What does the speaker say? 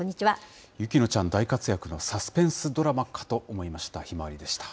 雪乃ちゃん、大活躍のサスペンスドラマかと思いました。